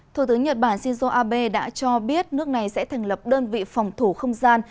thủ tướng nhật bản shinzo abe đã cho biết nước này sẽ thành lập đơn vị phòng thủ không gian